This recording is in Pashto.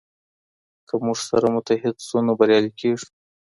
که موږ سره متحد سو نو بريالي کيږو.